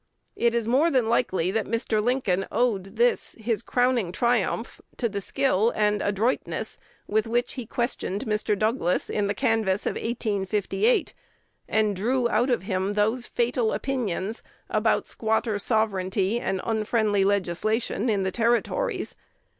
It is more than likely that Mr. Lincoln owed this, his crowning triumph, to the skill and adroitness with which he questioned Mr. Douglas in the canvass of 1858, and drew out of him those fatal opinions about "squatter sovereignty" and "unfriendly legislation" in the Territories.